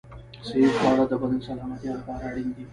صحي خواړه د بدن سلامتیا لپاره اړین دي.